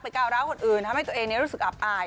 ก้าวร้าวคนอื่นทำให้ตัวเองรู้สึกอับอาย